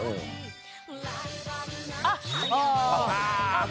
あっ！